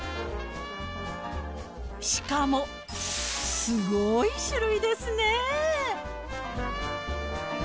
しかも、すごい種類ですね。